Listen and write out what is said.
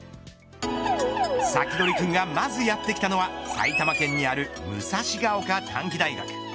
サキドリくんがまずやってきたのは埼玉県にある武蔵丘短期大学。